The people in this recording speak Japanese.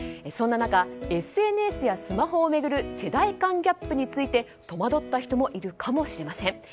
そんな中、ＳＮＳやスマホを巡る世代間ギャップについて戸惑った人もいるかもしれません。